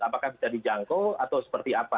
apakah bisa dijangkau atau seperti apa